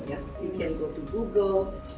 saya pikir ada banyak kesempatan di indonesia